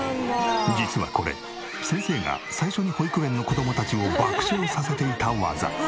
実はこれ先生が最初に保育園の子供たちを爆笑させていた技。